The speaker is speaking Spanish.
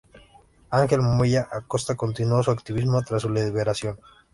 Ángel Moya Acosta continuó su activismo tras su liberación.